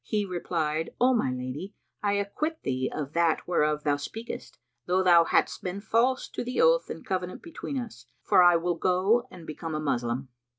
He replied, "O my lady, I acquit thee of that whereof thou speakest, though thou hadst been false to the oath and covenant between us; for I will go and become a Moslem."